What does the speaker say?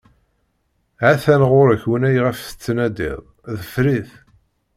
Ha-t-an ɣer-k winna iɣef tettnadiḍ, ḍfer-it.